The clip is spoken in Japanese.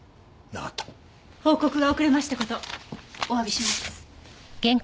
報告が遅れました事おわびします。